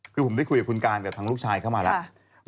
คือผมได้คุยกับคุณการกับทางลูกชายเข้ามาแล้ว